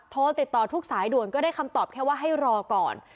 โทรติดต่อทุกสายด่วนก็ได้คำตอบแค่ว่าให้รอก่อน